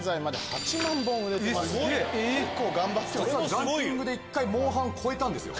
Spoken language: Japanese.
ランキングで１回『モンハン』超えたんですよ。